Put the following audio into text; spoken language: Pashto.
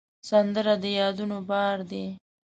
سندره د یادونو بار دی